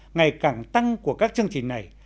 ngày càng tăng của các chương trình này